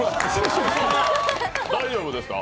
大丈夫ですか？